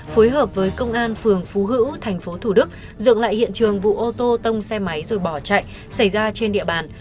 phối hợp với công an phường phú hữu tp thủ đức dựng lại hiện trường vụ ô tô tông xe máy rồi bỏ chạy xảy ra trên địa bàn